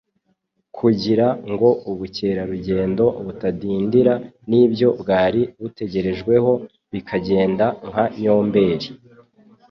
kugira ngo ubukerarugendo butadindira n'ibyo bwari butegerejweho bikagenda nka Nyomberi.